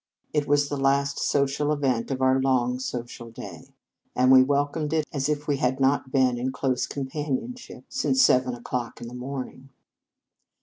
It was the last social event of our long social day, and we welcomed it as freshly as if we had not been in close companionship since seven 199 In Our Convent Days o clock in the morning.